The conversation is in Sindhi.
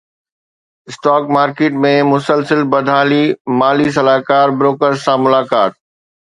اسٽاڪ مارڪيٽ ۾ مسلسل بدحالي مالي صلاحڪار بروڪرز سان ملاقات